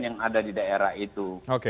yang ada di daerah itu